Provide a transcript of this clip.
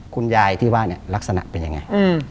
คุณยายที่ว่าเนี่ยลักษณะเป็นยังไง